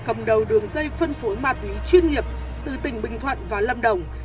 cầm đầu đường dây phân phối ma túy chuyên nghiệp từ tỉnh bình thuận vào lâm đồng